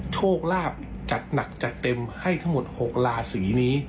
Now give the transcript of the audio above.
โชคลาภจัดหนักจัดเต็มให้ทั้งหมด๖ราศีนี้